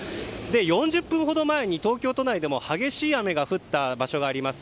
４０分ほど前に東京都内でも激しい雨が降った場所があります。